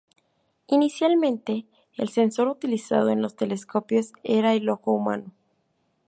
Inicialmente, el sensor utilizado en los telescopios era el ojo humano.